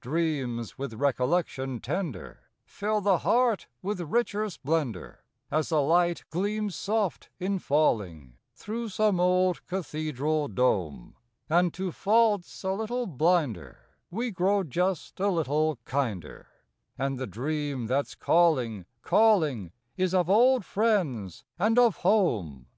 D REAMS \9ith recollection tender Fill the Heart Ntfith richer ' splendor, As the light gleams soft in jullinq Through some ola cathedral dome ; And, to faults a little blinder, ADe gt'oxtf just a little hinder, And the dream that's call inq, calling , old friends and o home.